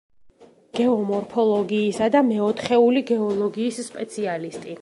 გეომორფოლოგიისა და მეოთხეული გეოლოგიის სპეციალისტი.